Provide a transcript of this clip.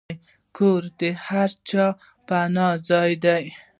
کور د هر چا پناه ځای دی.